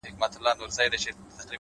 د سترگو سرو لمبو ته دا پتنگ در اچوم ـ